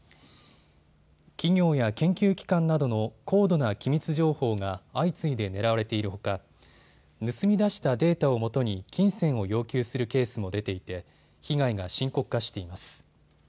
企業や研究機関などの高度な機密情報が相次いで狙われているほか盗み出したデータをもとに金銭を要求するケースも出ていて被害が深刻化しています。